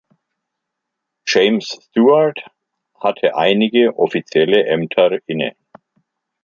James Stewart hatte einige offizielle Ämter inne.